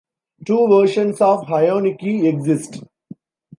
Two versions of "hayanuki" exist.